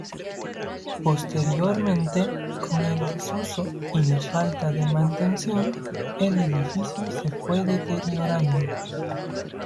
Posteriormente, con el desuso y la falta de mantención, el edificio se fue deteriorando.